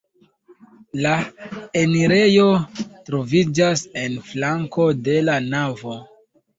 La enirejo troviĝas en flanko de la navo.